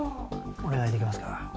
お願いできますか？